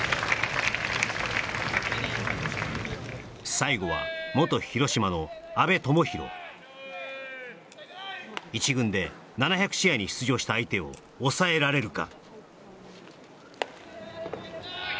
最後は元広島の安部友裕一軍で７００試合に出場した相手を抑えられるか？